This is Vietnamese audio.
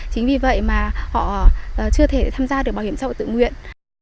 chính vì vậy mà họ chưa thể tham gia được bảo hiểm xã hội tự nguyện